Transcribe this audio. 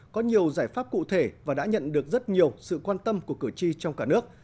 có nhiều giải pháp cụ thể và đã nhận được rất nhiều sự quan tâm của cử tri trong cả nước